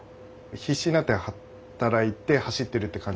必死になって働いて走ってるって感じなので。